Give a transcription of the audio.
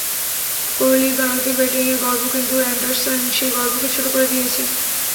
কোহলি ভারতীয় ব্যাটিংয়ের গর্ব কিন্তু অ্যান্ডারসন সেই গর্বকে ছোট করে দিয়েছে।